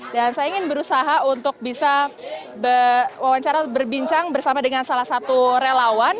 dan saya ingin berusaha untuk bisa berbincang bersama dengan salah satu relawan